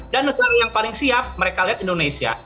dan negara yang paling siap mereka lihat indonesia